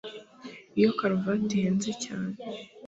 iyo karuvati ihenze cyane